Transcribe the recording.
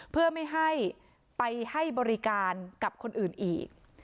เพื่อไม่ให้ไปให้บริการกับคนอื่นอีก